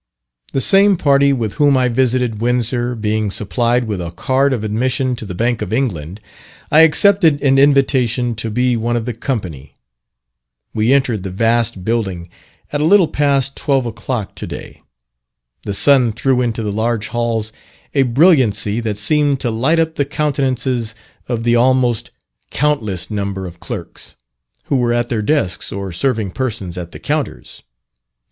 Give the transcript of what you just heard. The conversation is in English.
The same party with whom I visited Windsor being supplied with a card of admission to the Bank of England, I accepted an invitation to be one of the company. We entered the vast building at a little past twelve o'clock to day. The sun threw into the large halls a brilliancy that seemed to light up the countenances of the almost countless number of clerks, who were at their desks, or serving persons at the counters.